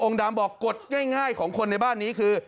ดำบอกกฎง่ายของคนในบ้านนี้คือ